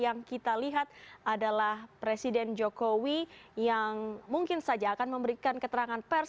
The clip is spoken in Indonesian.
yang kita lihat adalah presiden jokowi yang mungkin saja akan memberikan keterangan pers